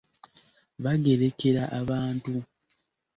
Bagerekera abantu.